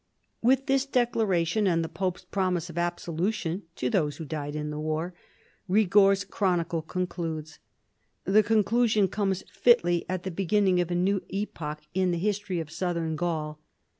vi PHILIP AND THE PAPACY 189 With this declaration, and the pope's promise of absolution to those who died in the war, Bigord's chronicle concludes. The conclusion comes fitly at the beginning of a new epoch in the history of Southern Gaul.